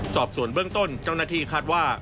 สอบส่วนเบื้องต้นเจ้าหน้าที่คาดว่า